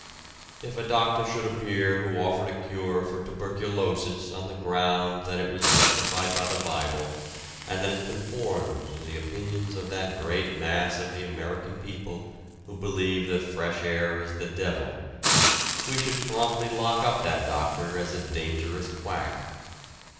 If a doctor should appear who offered a cure for tuberculosis on the ground that it was justified by the Bible and that it conformed to the opinions of that great mass of the American people who believe that fresh air is the devil, we should promptly lock up that doctor as a dangerous quack.